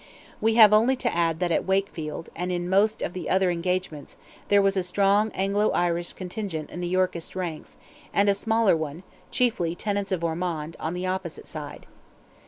We have only to add that at Wakefield, and in most of the other engagements, there was a strong Anglo Irish contingent in the Yorkist ranks, and a smaller one—chiefly tenants of Ormond—on the opposite side.